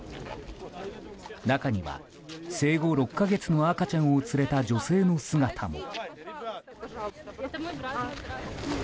中には生後４か月の赤ちゃんを連れた女性の姿も。